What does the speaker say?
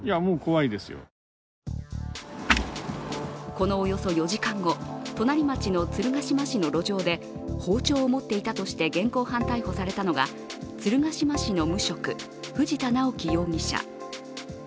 このおよそ４時間後、隣町の鶴ヶ島市の路上で包丁を持っていたとして現行犯逮捕されたのが鶴ヶ島市の無職藤田直樹容疑者。